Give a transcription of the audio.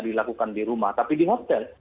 dilakukan di rumah tapi di hotel